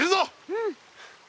うん！